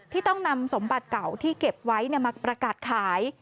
ต้องนำสมบัติเก่าที่เก็บไว้มาประกาศขาย